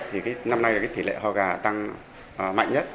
thì cái năm nay là cái tỷ lệ ho gà tăng mạnh nhất